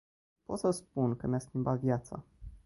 Pot să spun că mi-a schimbat viața.